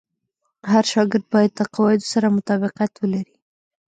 هر شاګرد باید د قواعدو سره مطابقت ولري.